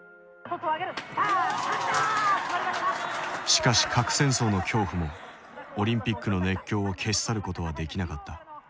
しかし核戦争の恐怖もオリンピックの熱狂を消し去ることはできなかった。